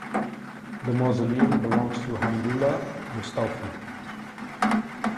The mausoleum belongs to Hamdallah Mustawfi.